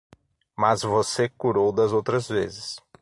Mas, você curou das outras vezes.